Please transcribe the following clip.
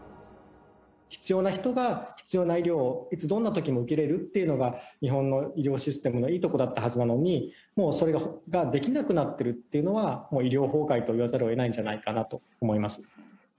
必要な人が必要な医療をいつ、どんなときも受けれるっていうのが、日本の医療システムのいいとこだったはずなのに、もうそれができなくなってるっていうのは、もう医療崩壊といわざるをえないんじゃないかなと思います。